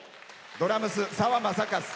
ドラムス、澤雅一。